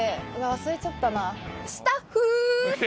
忘れちゃったな。